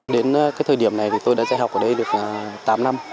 đến cái thời điểm này tôi đã dạy học ở đây được tám năm